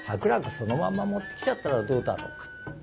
そのまんま持ってきちゃったらどうだろうか。